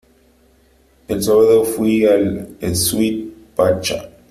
El sábado fui al Sweet Pachá.